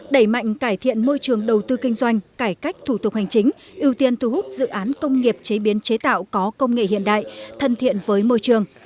đẩy mạnh cải thiện môi trường đầu tư kinh doanh cải cách thủ tục hành chính ưu tiên thu hút dự án công nghiệp chế biến chế tạo có công nghệ hiện đại thân thiện với môi trường